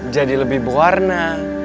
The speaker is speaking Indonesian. jadi lebih berwarna